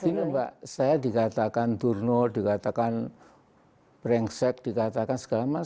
ini pak saya dikatakan turnur dikatakan brengsek dikatakan segala macam